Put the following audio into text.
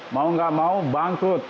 mau nggak mau bangkrut